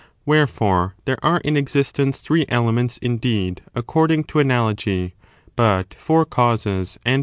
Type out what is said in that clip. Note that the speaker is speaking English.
Wherefore, there are in existence three elements, 5. Elements indeed, according to analogy, but four causes and t^^efoid.